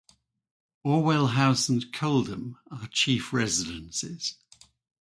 Orwell House and Coldham are chief residences.